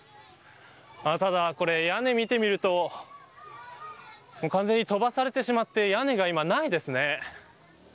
ただ、これ屋根を見てみると完全に飛ばされてしまって屋根が今ないですね。